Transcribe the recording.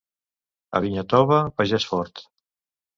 A vinya tova, pagès fort.